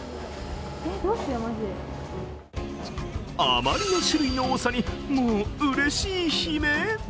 あまりの種類の多さにもう、うれしい悲鳴。